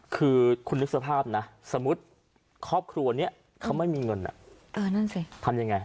คือคุณนึกสภาพนะสมมุติครอบครัวเนี้ยเขาไม่มีเงินอ่ะเออนั่นสิทำยังไง